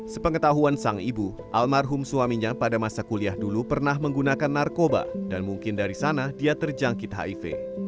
sepengetahuan sang ibu almarhum suaminya pada masa kuliah dulu pernah menggunakan narkoba dan mungkin dari sana dia terjangkit hiv